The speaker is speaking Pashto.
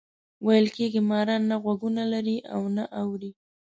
ویل کېږي ماران نه غوږونه لري او نه اوري.